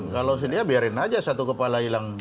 kalau sedia biarin aja satu kepala hilang